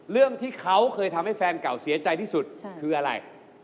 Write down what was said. เรื่องที่เขาเคยทำให้แฟนเก่าเสียใจที่สุดคืออะไร